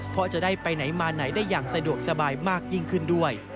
เพราะจะได้ไปไหนมาไหนได้อย่างสะดวกสบายมากยิ่งขึ้นด้วย